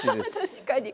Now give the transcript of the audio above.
確かに。